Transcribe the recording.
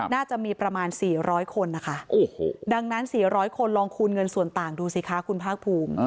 น่าจะมีประมาณ๔๐๐คนนะคะดังนั้น๔๐๐คนลองคูณเงินส่วนต่างดูสิคะคุณภาคภูมิ